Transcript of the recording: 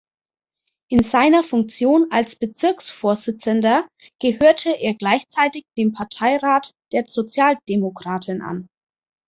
In seiner Funktion als Bezirksvorsitzender gehörte er gleichzeitig dem Parteirat der Sozialdemokraten an.